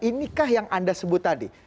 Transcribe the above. inikah yang anda sebut tadi